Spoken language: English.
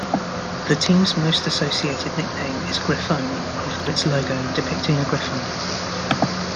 The team's most associated nickname is "grifone", after its logo, depicting a griffon.